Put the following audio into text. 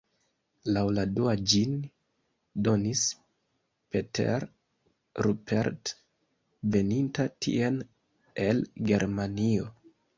Laŭ la dua ĝin donis "Peter Rupert" veninta tien el Germanio.